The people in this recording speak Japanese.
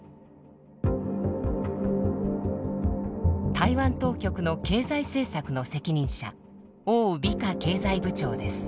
台湾当局の経済政策の責任者王美花経済部長です。